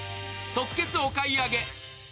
即決お買い上げ。